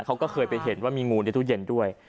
เขาก็เคยไปเห็นว่ามีงูในตู้เย็นด้วย